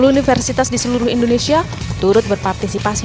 empat puluh universitas di seluruh indonesia turut berpartisipasi